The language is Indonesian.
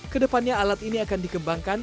kedepannya alat ini akan dikembangkan